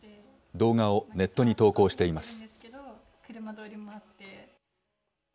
動画をネットに投稿しています。